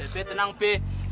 eh beng tenang beng